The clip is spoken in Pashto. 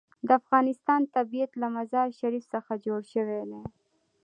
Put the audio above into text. د افغانستان طبیعت له مزارشریف څخه جوړ شوی دی.